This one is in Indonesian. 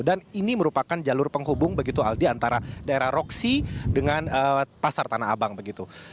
ini merupakan jalur penghubung begitu aldi antara daerah roksi dengan pasar tanah abang begitu